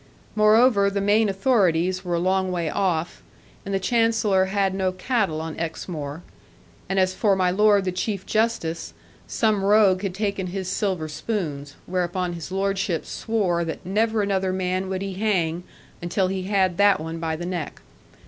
Moreover, the main authorities were a long way off; and the Chancellor had no cattle on Exmoor; and as for my lord the Chief Justice, some rogue had taken his silver spoons; whereupon his lordship swore that never another man would he hang until he had that one by the neck.